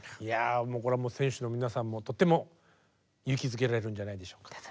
いやもうこれは選手の皆さんもとっても勇気づけられるんじゃないでしょうか。